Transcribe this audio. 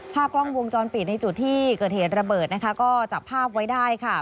ภาพกล้องวงจรปิดในจุดที่เกิดเหตุระเบิดนะคะก็จับภาพไว้ได้ค่ะ